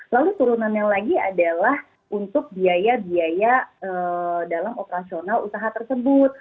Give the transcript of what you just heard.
lalu turunannya lagi adalah untuk biaya biaya dalam operasional usaha tersebut